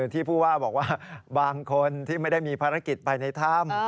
ที่ผู้ว่าบอกว่าบางคนที่ไม่ได้มีภารกิจภายในถ้ำ